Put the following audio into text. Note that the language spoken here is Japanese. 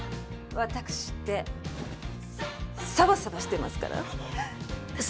ワタクシってサバサバしてますから！